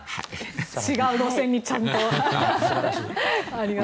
違う路線にちゃんと。